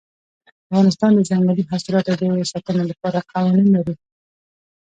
افغانستان د ځنګلي حاصلاتو د ساتنې لپاره قوانین لري.